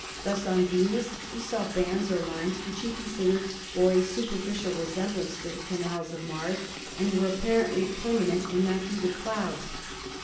Thus on Venus he saw bands or lines which he considered bore a superficial resemblance to the canals of Mars and were ap parently permanent and not due to clouds.